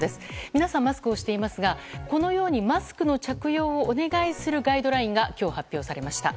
皆さん、マスクをしていますがこのようにマスクの着用をお願いするガイドラインが今日発表されました。